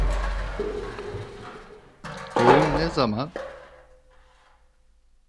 Doğum ne zaman?